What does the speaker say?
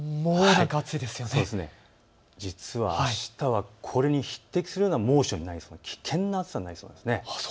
実はあしたはこれに匹敵するような猛暑になる、危険な暑さになりそうです。